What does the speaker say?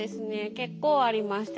結構ありました。